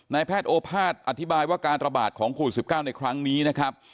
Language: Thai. แพทย์โอภาษย์อธิบายว่าการระบาดของโควิด๑๙ในครั้งนี้นะครับ